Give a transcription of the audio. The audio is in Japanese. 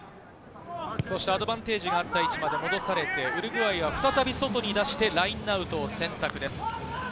アドバンテージがあった位置まで戻されて、ウルグアイが再び外に出して、ラインアウトを選択です。